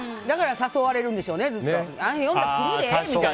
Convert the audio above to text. だから誘われるんでしょうね、ずっと。